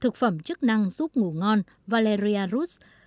thực phẩm chức năng giúp ngủ ngon valeria roots